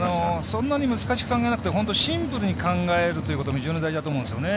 そんなに難しく考えなくてシンプルに考えるのが非常に大事だと思うんですよね。